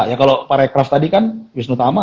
ya kalau para aircraft tadi kan bisnis utama